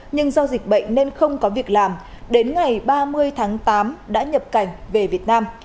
nhưng do dịch bệnh nên không có việc làm đến ngày ba mươi tháng tám đã nhập cảnh về việt nam